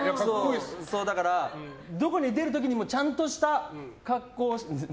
だから、どこに出る時にもちゃんとした格好を。